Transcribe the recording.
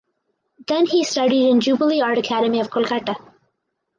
Then he studied in Jubilee Art Academy of Kolkata.